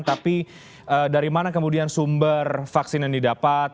tapi dari mana kemudian sumber vaksin yang didapat